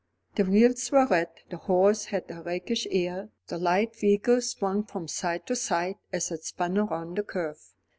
The wheels were red, the horse had a rakish air, the light vehicle swung from side to side as it spun around the curve.